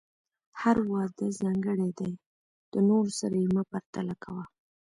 هر واده ځانګړی دی، د نورو سره یې مه پرتله کوه.